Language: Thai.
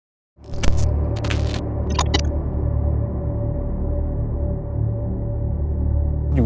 ช่วยกับความสนุก